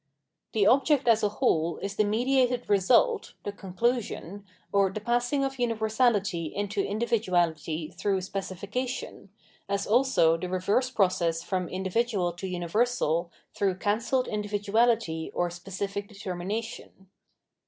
The object as a whole is voL. ii.— 2 q 802 Phenomenology of Mind the mediated result [the conclusion] or the passing of universality into individuality through specification, as also the reverse process from individual to universal through cancelled individuality or specific determination.